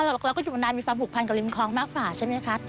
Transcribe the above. เราก็อยู่มานานมีความผูกพันกับริมคลองมากกว่าใช่ไหมคะ